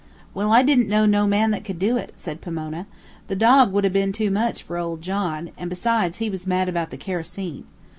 "Well, I didn't know no man that could do it," said Pomona. "The dog would 'a' been too much for Old John, and besides, he was mad about the kerosene.